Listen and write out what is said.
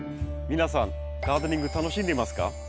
皆さんガーデニング楽しんでいますか？